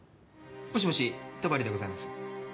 もしもし戸張でございます。